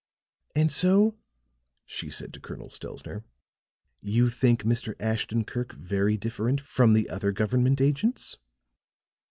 "And so," she said to Colonel Stelzner, "you think Mr. Ashton Kirk very different from the other government agents?"